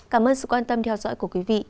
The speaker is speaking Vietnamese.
cảm ơn sự quan tâm theo dõi của quý vị